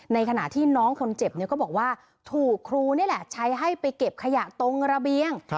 ในขณะที่น้องคนเจ็บก็บอกว่าถูกครูนี่แหละใช้ให้ไปเก็บขยะตรงระเบียง